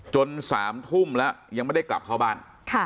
๓ทุ่มแล้วยังไม่ได้กลับเข้าบ้าน